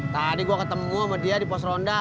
tadi gue ketemu sama dia di pos ronda